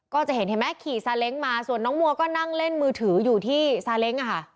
ก็จะเห็นเห็นไหมขี่ซาเล้งมาส่วนน้องมัวก็นั่งเล่นมือถืออยู่ที่ซาเล้งอะค่ะ